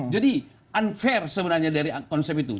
jadi unfair sebenarnya dari konsep itu